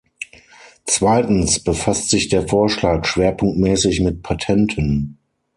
Zweitens befasst sich der Vorschlag schwerpunktmäßig mit Patenten.